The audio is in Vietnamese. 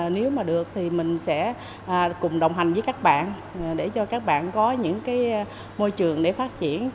nếu mà được thì mình sẽ cùng đồng hành với các bạn để cho các bạn có những cái môi trường để phát triển